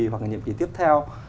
và cái nhiệm kỳ tiếp theo